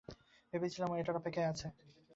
ভেবেছিলাম ও এটার অপেক্ষায় আছে।